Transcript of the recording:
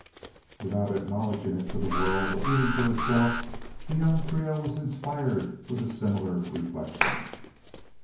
Without acknowledging it to the world, or even to herself, the young Creole was inspired with a similar reflection.